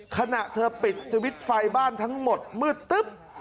ขณะเธอปิดสวิตช์ไฟบ้านทั้งหมดมืดตึ๊บ